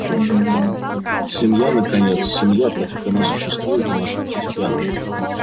Семья наконец, семья, так, как она существует у наших крестьян!